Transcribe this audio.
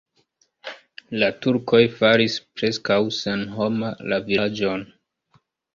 La turkoj faris preskaŭ senhoma la vilaĝon.